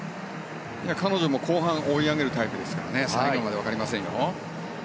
彼女も後半追い上げるタイプですから最後までわかりませんよ。